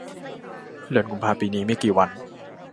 เดือนกุมภาปีนี้มีกี่วัน